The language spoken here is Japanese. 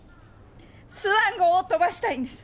スワン号を飛ばしたいんです！